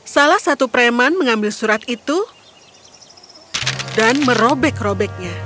salah satu preman mengambil surat itu dan merobek robeknya